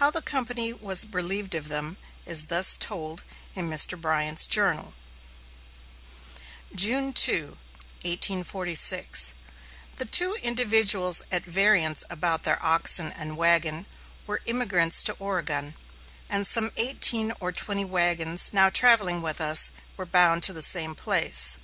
How the company was relieved of them is thus told in Mr. Bryant's Journal: June 2, 1846, the two individuals at variance about their oxen and wagon were emigrants to Oregon, and some eighteen or twenty wagons now travelling with us were bound to the same place.